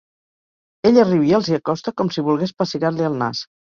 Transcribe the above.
Ella riu i els hi acosta, com si volgués pessigar-li el nas.